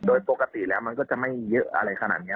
โดยปกติแล้วมันก็จะไม่เยอะอะไรขนาดนี้